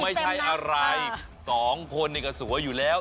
ไม่ใช่อะไรสองคนนี่ก็สวยอยู่แล้ว